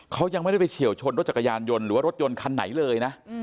เขายังไม่ได้ไปเฉียวชนรถจักรยานยนต์หรือว่ารถยนต์คันไหนเลยนะ